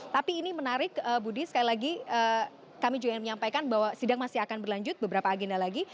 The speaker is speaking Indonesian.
tapi ini menarik budi sekali lagi kami juga ingin menyampaikan bahwa sidang masih akan berlanjut beberapa agenda lagi